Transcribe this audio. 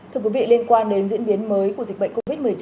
thưa quý vị liên quan đến diễn biến mới của dịch bệnh covid một mươi chín